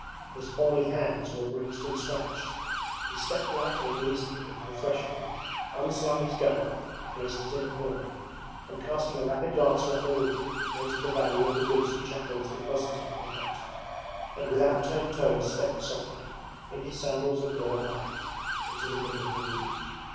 His horny hands were bruised and scratched. He stepped lightly and easily over the threshold, unslung his gun and placed it in a corner, and casting a rapid glance round the room noted the value of the goods and chattels deposited in the hut, and with out turned toes stepped softly, in his sandals of raw hide, into the middle of the room.